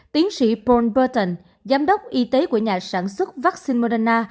tiến sĩ paul burton giám đốc y tế của nhà sản xuất vaccine moderna